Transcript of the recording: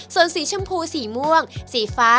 ส่วนสีชมพูสีม่วงสีฟ้า